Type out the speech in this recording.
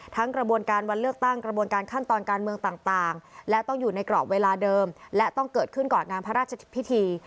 กระบวนการวันเลือกตั้งกระบวนการขั้นตอนการเมืองต่างและต้องอยู่ในกรอบเวลาเดิมและต้องเกิดขึ้นก่อนงานพระราชพิธี